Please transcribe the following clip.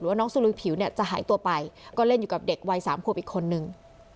ว่าน้องสุลุยผิวเนี่ยจะหายตัวไปก็เล่นอยู่กับเด็กวัยสามขวบอีกคนนึง